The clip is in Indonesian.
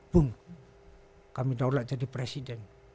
bung kami daulat jadi presiden